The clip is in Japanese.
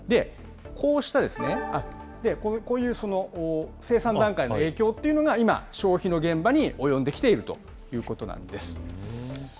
こういう生産段階の影響というのが今、消費の現場に及んできているということなんです。